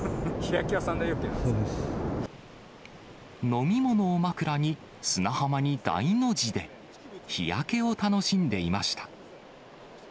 飲み物を枕に砂浜に大の字で、日焼けを楽しんでいました。